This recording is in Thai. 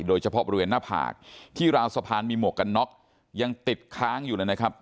โดยเฉพาะบริเวณหน้าผากที่ราวสะพานมีหมวกกันน็อกยังติดค้างอยู่เลยนะครับ